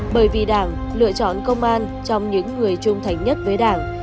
bởi vì đảng lựa chọn công an trong những người trung thành nhất với đảng